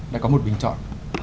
đã có một bình chọn